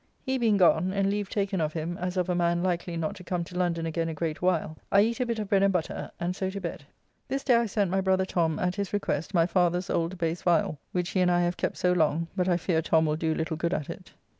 He being gone, and leave taken of him as of a man likely not to come to London again a great while, I eat a bit of bread and butter, and so to bed. This day I sent my brother Tom, at his request, my father's old Bass Viall which he and I have kept so long, but I fear Tom will do little good at it.